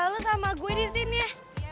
lo sama gue di sini ya